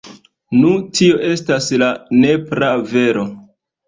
Nu tio estas la nepra vero.